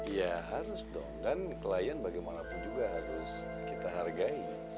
ya harus dong kan klien bagaimanapun juga harus kita hargai